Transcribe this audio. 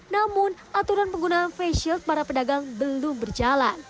namun aturan penggunaan face shield para pedagang belum berjalan